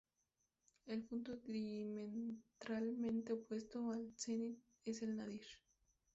El punto diametralmente opuesto al zenit es el nadir.